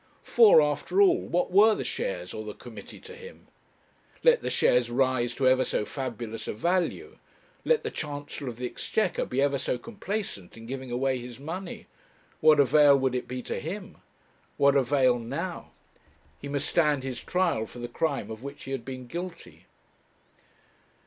For, after all, what were the shares or the committee to him? Let the shares rise to ever so fabulous a value, let the Chancellor of the Exchequer be ever so complaisant in giving away his money, what avail would it be to him? what avail now? He must stand his trial for the crime of which he had been guilty.